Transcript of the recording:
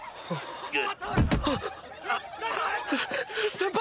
先輩！